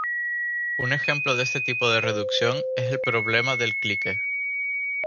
Un ejemplo de este tipo de reducción es el problema del "Clique".